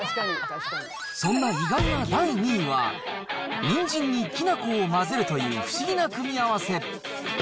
そんな意外な第２位は、にんじんにきな粉を混ぜるという不思議な組み合わせ。